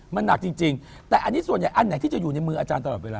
มันหนักจริงแต่อันนี้ส่วนใหญ่อันไหนที่จะอยู่ในมืออาจารย์ตลอดเวลา